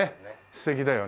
素敵だよね。